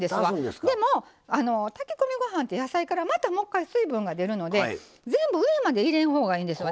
でも炊き込みご飯って野菜からまたもう一回水分が出るので全部上まで入れん方がいいんですよね。